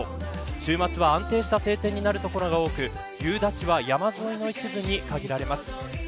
週末は安定した晴天になる所が多く夕立は山沿いの一部に限られます。